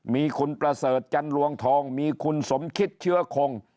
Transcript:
มีคุณประเสริฐจันรวงทองมีคุณสมคิดเชื้อคง